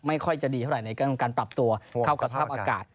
ไม่ค่อยจะดีเท่าไหร่ในการปรับตัวเข้ากับสภาพอากาศ